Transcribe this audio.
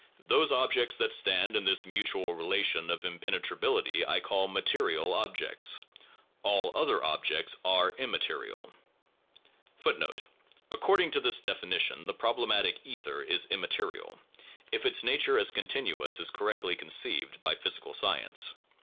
Those objects that stand in this mutual relation of impenetrability I call 'material' objects; all other objects are 'immaterial.' 1 In thus calling an object immaterial I am merely 1 According to this definition the problematic ether is ' immaterial,' if its nature as continuous is correctly conceived by physical science.